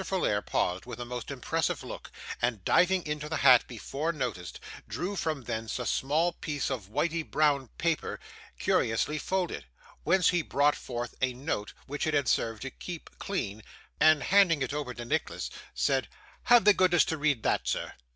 Folair paused with a most impressive look, and diving into the hat before noticed, drew from thence a small piece of whity brown paper curiously folded, whence he brought forth a note which it had served to keep clean, and handing it over to Nicholas, said 'Have the goodness to read that, sir.